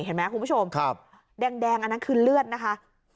บุรีครูประชมแดงอันนั้นคือเลือดนะค่ะ